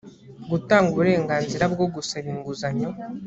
gutanga uburenganzira bwo gusaba inguzanyo